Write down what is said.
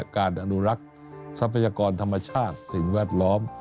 การอนุรักษ์ทรัพยากรธรรมชาติสิ่งแวดล้อม